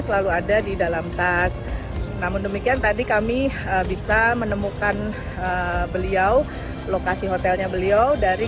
selalu ada di dalam tas namun demikian tadi kami bisa menemukan beliau lokasi hotelnya beliau dari